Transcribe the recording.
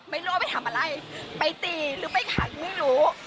ไม่รู้ว่าไปทำอะไรไปตีหรือไปขัดไม่รู้